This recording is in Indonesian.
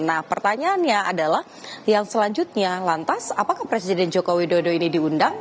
nah pertanyaannya adalah yang selanjutnya lantas apakah presiden joko widodo ini diundang